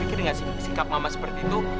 pikir gak sih sikap mama seperti itu